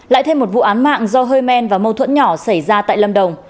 lại thêm một vụ án mạng do hơi men và mâu thuẫn nhỏ xảy ra tại lâm đồng